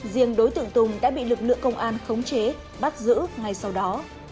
riêng đối tượng tùng đã bị lực lượng công an khống chế bắt giữ ngay sau đó